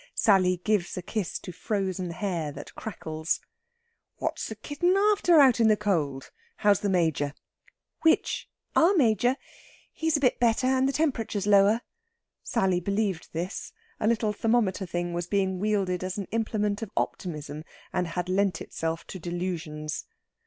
Sally gives a kiss to frozen hair that crackles. "What's the kitten after, out in the cold? How's the Major?" "Which? Our Major? He's a bit better, and the temperature's lower." Sally believed this; a little thermometer thing was being wielded as an implement of optimism, and had lent itself to delusions.